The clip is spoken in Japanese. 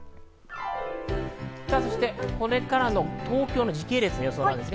そして、これからの東京の時系列予想です。